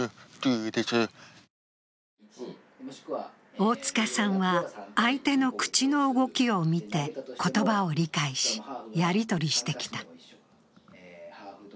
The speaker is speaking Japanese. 大塚さんは相手の口の動きを見て、言葉を理解しやりとりしてきた。